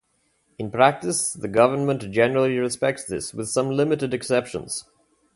In practice, the government generally respects this, with some limited exceptions.